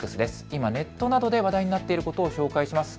今、ネットなどで話題になっていることを紹介します。